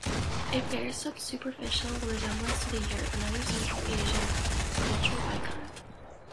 It bears some superficial resemblance to the yurt, another Central Asian cultural icon.